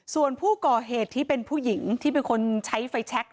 ส่วนผู้ก่อเหตุที่เป็นผู้หญิงที่เป็นคนใช้ไฟแชค